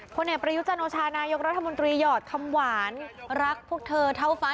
เอกประยุจันโอชานายกรัฐมนตรีหยอดคำหวานรักพวกเธอเท่าฟ้า